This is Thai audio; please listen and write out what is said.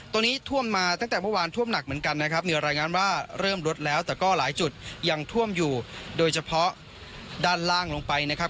ตรงนี้ท่วมมาตั้งแต่เมื่อวานท่วมหนักเหมือนกันนะครับมีรายงานว่าเริ่มลดแล้วแต่ก็หลายจุดยังท่วมอยู่โดยเฉพาะด้านล่างลงไปนะครับ